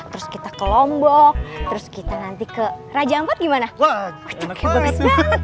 terus kita ke lombok terus kita nanti ke raja ampat gimana wow